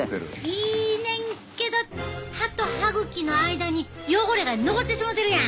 いいねんけど歯と歯ぐきの間に汚れが残ってしもてるやん。